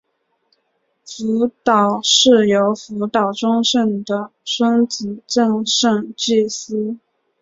福岛氏由福岛忠胜的孙子正胜继嗣。